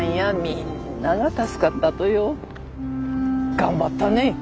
頑張ったね。